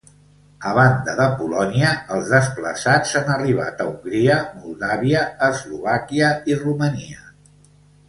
A banda de Polònia, els desplaçats han arribat a Hongria, Moldàvia, Eslovàquia i Romania.